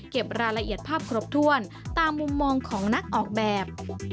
รายละเอียดภาพครบถ้วนตามมุมมองของนักออกแบบ